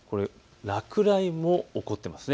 落雷も起こってますね。